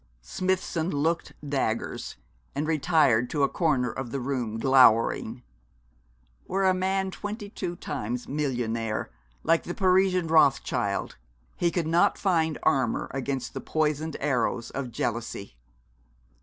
Smithson looked daggers, and retired to a corner of the room glowering. Were a man twenty two times millionaire, like the Parisian Rothschild, he could not find armour against the poisoned arrows of jealousy.